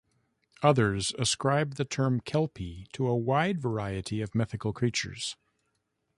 Others ascribe the term "kelpie" to a wide variety of mythical creatures.